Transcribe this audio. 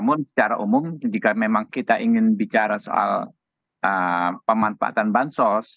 jadi secara umum jika memang kita ingin bicara soal pemanfaatan bansos